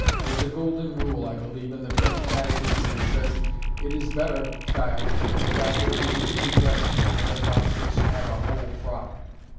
There is a golden rule, I believe, in the French catechism which says: "It is better, child, that thy hair be neatly dressed than that thou shouldst have a whole frock."